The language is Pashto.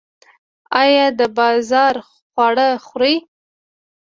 ایا د بازار خواړه خورئ؟